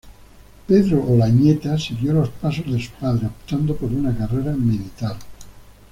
Pedro Olañeta siguió los pasos de su padre, optando por una carrera militar.